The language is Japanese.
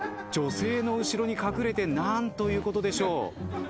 女性の後ろに隠れて何ということでしょう。